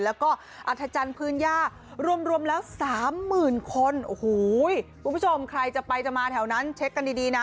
แล้วก็อัธจันทร์พื้นย่ารวมแล้วสามหมื่นคนโอ้โหคุณผู้ชมใครจะไปจะมาแถวนั้นเช็คกันดีดีนะ